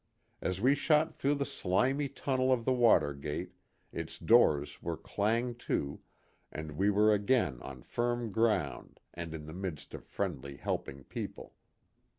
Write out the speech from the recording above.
As we shot through the slimy tunnel of the water gate its doors were clanged to, and we were again on firm ground and in the midst of friendly helping people.